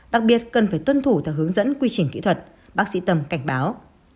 đặc biệt cần phải tuân thủ theo hướng dẫn quy trình kỹ thuật bác sĩ tâm cảnh báo